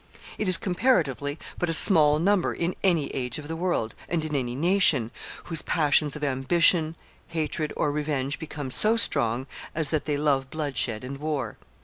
It is comparatively but a small number in any age of the world, and in any nation, whose passions of ambition, hatred, or revenge become so strong as that they love bloodshed and war.